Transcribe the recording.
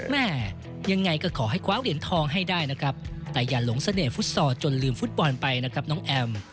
แม่ยังไงก็ขอให้คว้าเหรียญทองให้ได้นะครับแต่อย่าหลงเสน่หุดซอลจนลืมฟุตบอลไปนะครับน้องแอม